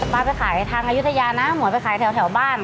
ป๊าไปขายทางอายุทยานะหวยไปขายแถวบ้าน